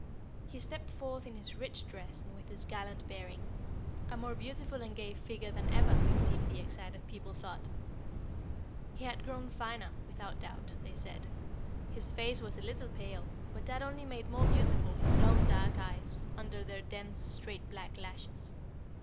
He stepped forth in his rich dress and with his gallant bearing, a more beautiful and gay figure than ever, it seemed the excited people thought. He had grown finer, without doubt, they said. His face was a little pale, but that only made more beautiful his long dark eyes, under their dense, straight, black lashes.